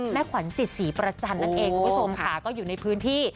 ขวัญจิตศรีประจันทร์นั่นเองคุณผู้ชมค่ะก็อยู่ในพื้นที่